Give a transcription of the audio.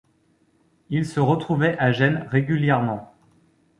Ils se retrouvaient à Gênes régulièrement.